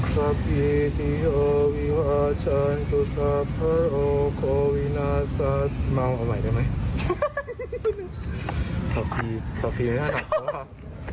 สับผีสับผีไม่ได้หนักเพราะว่า